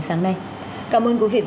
công an huyện ứng hòa